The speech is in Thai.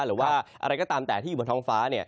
หรือว่าอะไรก็ตามแต่ที่อยู่บนท้องฟ้า